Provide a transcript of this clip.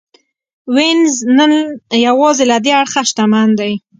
وینز نن یوازې له دې اړخه شتمن دی